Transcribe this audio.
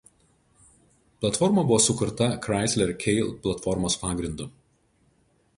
Platforma buvo sukurta Chrysler K platformos pagrindu.